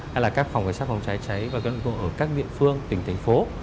hay là các phòng cửa sát phòng cháy cháy và quyết đoạn cứu hộ ở các địa phương tỉnh thành phố